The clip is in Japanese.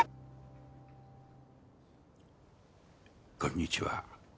こんにちは。